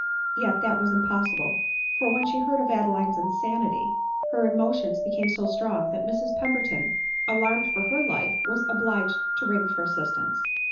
Yet that was impossible ; for, when she heard of Ade line's insanity, her emotions became so strong that Mrs Pemberton, alarmed for her life, was obliged to ring for assistance.